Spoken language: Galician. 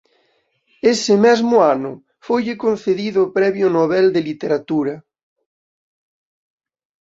Ese mesmo ano foille concedido o Premio Nobel de Literatura.